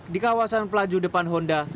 di kawasan pelaju depan honda